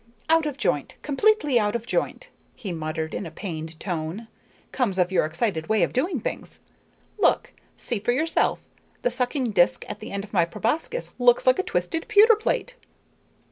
"Out of joint, completely out of joint!" he muttered in a pained tone. "Comes of your excited way of doing things. Look. See for yourself. The sucking disk at the end of my proboscis looks like a twisted pewter plate."